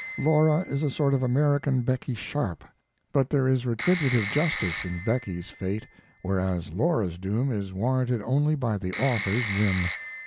Laura is a sort of American Becky Sharp; but there is retributive justice in Becky's fate, whereas Laura's doom is warranted only by the author's whim.